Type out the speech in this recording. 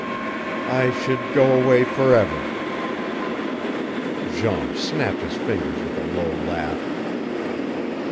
"I should go away for ever." Jean snapped his fingers with a low laugh.